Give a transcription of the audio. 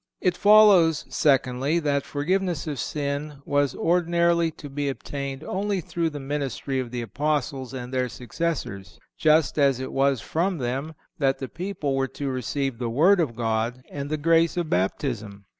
It follows, secondly that forgiveness of sin was ordinarily to be obtained only through the ministry of the Apostles and their successors, just as it was from them that the people were to receive the word of God and the grace of Baptism.